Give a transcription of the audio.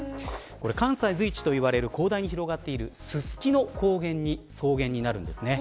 関西随一といわれる広大に広がっているススキの草原になるんですね。